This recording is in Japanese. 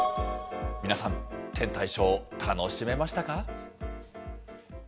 皆さん、天体ショー、楽しめましたか？